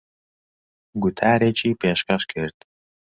گوتارێکی پێشکەش کرد.